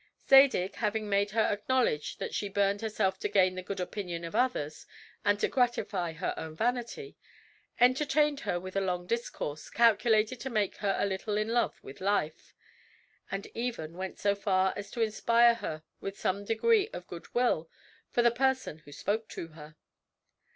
Zadig having made her acknowledge that she burned herself to gain the good opinion of others and to gratify her own vanity, entertained her with a long discourse, calculated to make her a little in love with life, and even went so far as to inspire her with some degree of good will for the person who spoke to her.